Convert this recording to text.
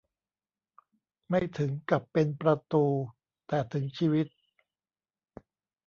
ไม่ถึงกับเป็นประตู แต่ถึงชีวิต